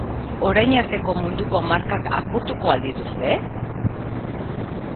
Orain arteko munduko markak apurtuko al dituzte?